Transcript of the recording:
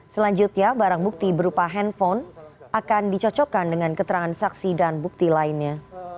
selanjutnya barang bukti berupa handphone akan dicocokkan dengan keterangan saksi dan bukti lainnya